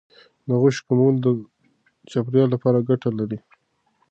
د غوښې کمول د چاپیریال لپاره ګټه لري.